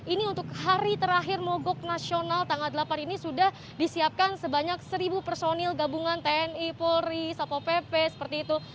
ini untuk hari terakhir mogok nasional tanggal delapan ini sudah disiapkan sebanyak seribu personil gabungan tni polri sapo pp seperti itu